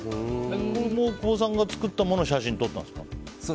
これも大久保さんが作ったものを写真撮ったんですか？